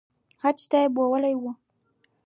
حج ته بوولي وو